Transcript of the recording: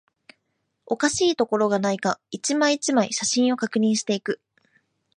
おかしいところがないか、一枚、一枚、写真を確認していく